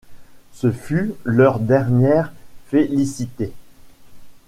Ce fut leur dernière félicité.